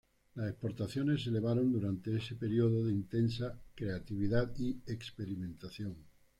Las exportaciones se elevaron durante ese período de intensa creatividad y experimentación.